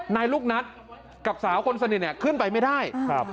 นายลูกนัสสาวคนสนิทขึ้นไปไม่ได้